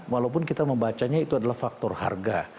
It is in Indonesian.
walaupun kita membacanya itu adalah faktor harga